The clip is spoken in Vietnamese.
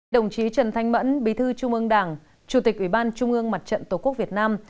đồng chí trần thanh mẫn bí thư trung ương đảng chủ tịch ủy ban trung ương mặt trận tổ quốc việt nam